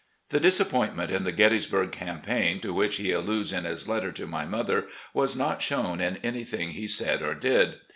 The disappointment in the Gettysburg campaign, to which he alludes in his letter to my mother, was not shown in anything he said or did.